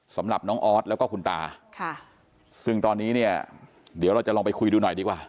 สำหรับน้องออสแล้วก็คุณตาค่ะซึ่งตอนนี้เนี่ยเดี๋ยวเราจะลองไปคุยดูหน่อยดีกว่า